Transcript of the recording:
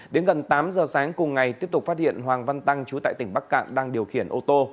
đến gần tám giờ sáng cùng ngày tiếp tục phát hiện hoàng văn tăng chú tại tỉnh bắc cạn đang điều khiển ô tô